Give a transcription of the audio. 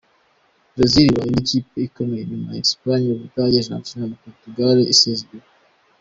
Brazil ibaye indi kipe ikomeye nyuma ya Espagne, u Budage, Argentine, na Portugal isezerewe.